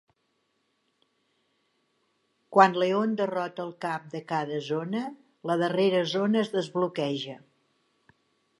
Quan Leon derrota el cap de cada zona, la darrera zona es desbloqueja.